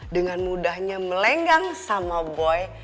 dengan mudahnya melenggang sama boy